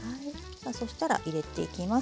さあそしたら入れていきます。